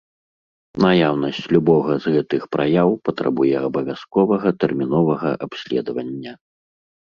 Наяўнасць любога з гэтых праяў патрабуе абавязковага тэрміновага абследавання.